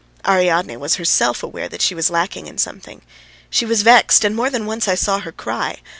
Ariadne was herself aware that she was lacking in something. She was vexed and more than once I saw her cry.